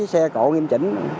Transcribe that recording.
với xe cổ nghiêm chỉnh